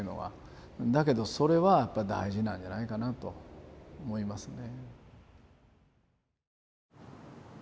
だけどそれは大事なんじゃないかなと思いますね。